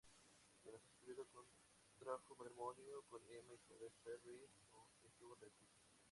Durante ese periodo contrajo matrimonio con Emma Isabel Perry con quien tuvo tres hijos.